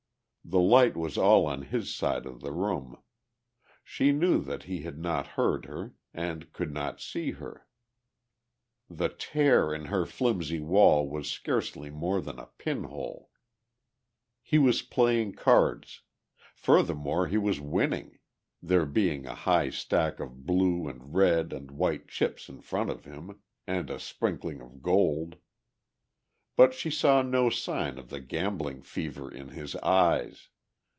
The light was all on his side of the room; she knew that he had not heard her and could not see her; the tear in her flimsy wall was scarcely more than a pin hole. He was playing cards; furthermore he was winning, there being a high stack of blue and red and white chips in front of him and a sprinkling of gold. But she saw no sign of the gambling fever in his eyes.